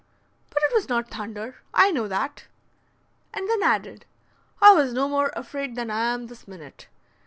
But it was not thunder, I know that;" and then added, "I was no more afraid than I am this minute.